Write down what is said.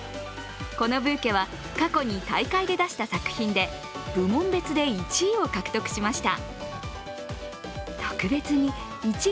このブーケは過去に大会で出した作品で部門別で１位を獲得しました。